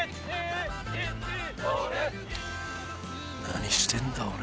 ・何してんだ俺。